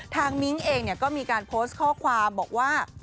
มิ้งเองก็มีการโพสต์ข้อความบอกว่า